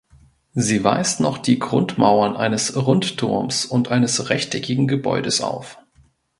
Sie weist noch die Grundmauern eines Rundturms und eines rechteckigen Gebäudes auf.